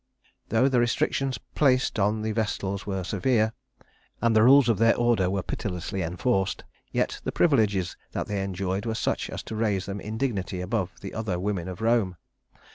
[Illustration: Tuccia] Though the restrictions placed upon the Vestals were severe, and the rules of their order were pitilessly enforced, yet the privileges that they enjoyed were such as to raise them in dignity above the other women of Rome.